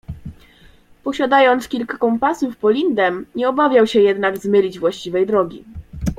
Posiadając kilka kompasów po Lindem, nie obawiał się jednak zmylić właściwej drogi.